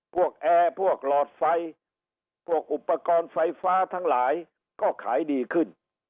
แอร์พวกหลอดไฟพวกอุปกรณ์ไฟฟ้าทั้งหลายก็ขายดีขึ้น